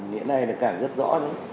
hiện nay càng rất rõ